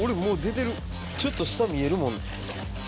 ちょっと下見えるもん。